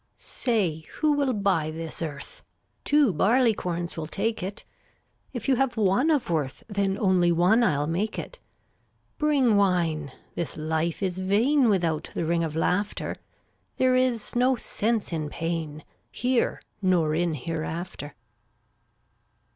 367 Say, who will buy this earth? Two barleycorns will take it; If you have one of worth, Then only one Til make it. Bring wine; this life is vain Without the ring of laughter; There is no sense in pain, Here nor in hereafter.